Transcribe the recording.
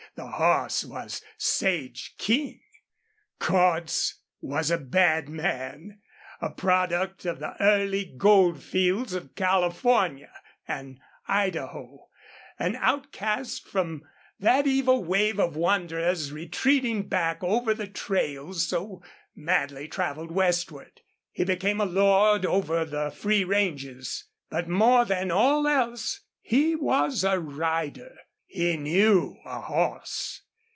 And the horse was Sage King. Cordts was a bad man, a product of the early gold fields of California and Idaho, an outcast from that evil wave of wanderers retreating back over the trails so madly traveled westward. He became a lord over the free ranges. But more than all else he was a rider. He knew a horse.